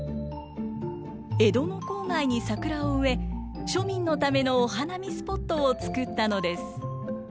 江戸の郊外に桜を植え庶民のためのお花見スポットを作ったのです。